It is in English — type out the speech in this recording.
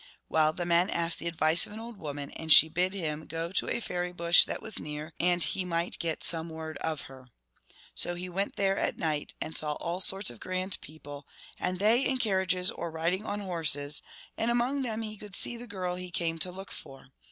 Well, the man asked the advice of an old woman, and she bid him go to a faery bush that was near, and he might get some word of her. So he went there at night, and saw all sorts of grand people, and they in carriages or riding on horses, and among them he could see the girl he came to look for.